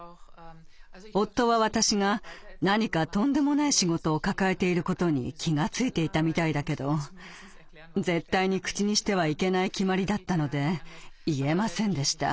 夫は私が何かとんでもない仕事を抱えていることに気が付いていたみたいだけど絶対に口にしてはいけない決まりだったので言えませんでした。